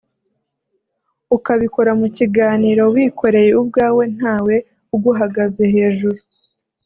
ukabikora mu kiganiro wikoreye ubwawe ntawe uguhagaze hejuru